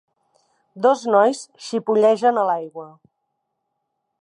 Dos nois xipollegen a l'aigua